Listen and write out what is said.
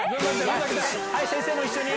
先生も一緒に。